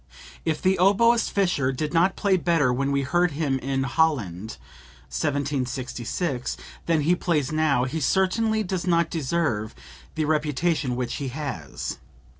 "If the oboist Fischer did not play better when we heard him in Holland (1766) than he plays now, he certainly does not deserve the reputation which he has.